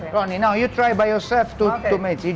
ronny sekarang kamu coba sendiri kamu hanya perlu mencobanya